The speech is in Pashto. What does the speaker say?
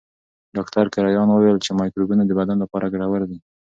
ډاکټر کرایان وویل چې مایکروبونه د بدن لپاره ګټور دي.